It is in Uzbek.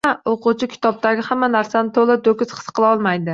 O’quvchi kitobdagi hamma narsani to’la-to’kis his qilolmaydi…